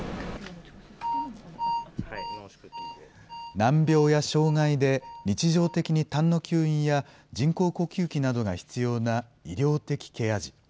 難病や障害で日常的にたんの吸引や、人工呼吸器などが必要な医療的ケア児。